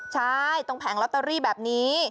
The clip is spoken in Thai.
ใช่ตรงแผงลอตเตอรี่แบบนี้